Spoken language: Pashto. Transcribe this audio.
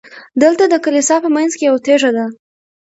دلته د کلیسا په منځ کې یوه تیږه ده.